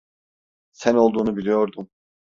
Sen olduğunu biliyordum.